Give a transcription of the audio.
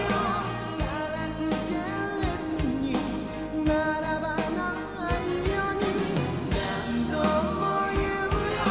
「硝子ケースに並ばないように」「何度も言うよ